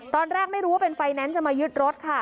ตอนแรกไม่รู้ว่าเป็นไฟแนนซ์จะมายึดรถค่ะ